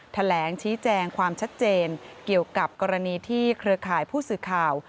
แถลงชี้แจงความชัดเจนเกี่ยวกับกรณีที่เครือข่ายผู้สื่อข่าว